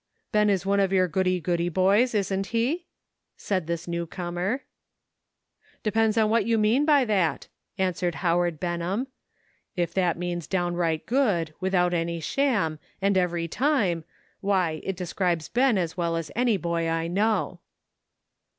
" Ben is one of your goody goody boys, isn't he?" said this new comer. "Depends on what you mean by that," an swered Howard Benham. " If that means down right good, without any sham, and every time, why, it describes Ben as well as any boy I know."